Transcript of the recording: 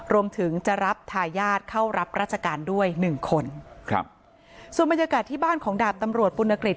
รวมถึงจะรับทายาทเข้ารับราชการด้วยหนึ่งคนครับส่วนบรรยากาศที่บ้านของดาบตำรวจปุณกฤษ